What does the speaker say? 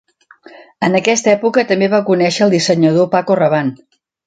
En aquesta època també va conèixer el dissenyador Paco Rabanne.